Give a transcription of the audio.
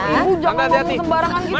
ibu jangan bangun sembarangan gitu lah